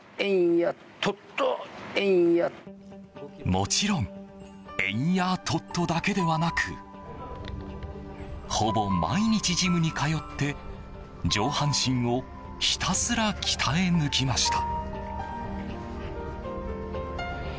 もちろんエンヤートットだけではなくほぼ毎日ジムに通って、上半身をひたすら鍛え抜きました。